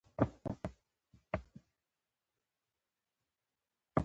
امیر د کافرستان د فتح کولو پرېکړه وکړه.